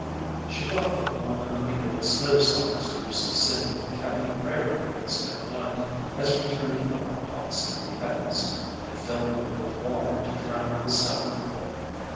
She thought of one of the old slave songs we used to sing in the cabin prayer meetings at night as we turned up the pots and kettles, and filled them up with water to drown the sound.